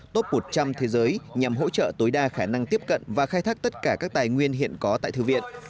top một trăm linh thế giới nhằm hỗ trợ tối đa khả năng tiếp cận và khai thác tất cả các tài nguyên hiện có tại thư viện